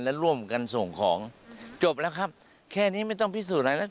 และร่วมกันส่งของจบแล้วครับแค่นี้ไม่ต้องพิสูจน์อะไรแล้ว